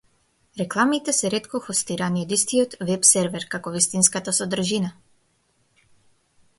Рекламите се ретко хостирани од истиот веб-сервер како вистинската содржина.